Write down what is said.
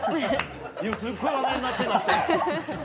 今、すごい話題になってます。